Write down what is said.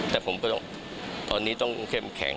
แต่ผมก็ต้องตอนนี้ต้องเข้มแข็ง